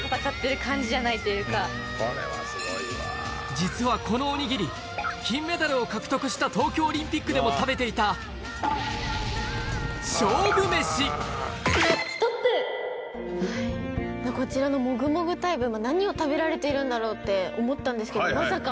実はこのおにぎり金メダルを獲得した東京オリンピックでも食べていたこちらのもぐもぐタイム。って思ったんですけどまさか。